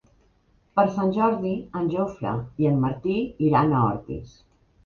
Per Sant Jordi en Jofre i en Martí iran a Ordis.